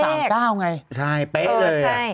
ใช่เพร่งเลย